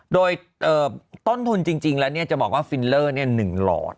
โดยต้นทุนจริงแล้วจะบอกว่าฟิลเลอร์๑หลอด